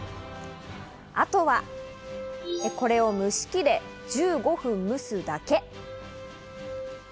あとはこれを蒸し器で１５分蒸すだけ。